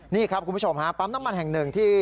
นี่ครับคุณผู้ชมฮะปั๊มน้ำมันแห่งหนึ่งที่